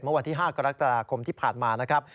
วันที่๕กรกฎาคมที่ผ่านมานะครับ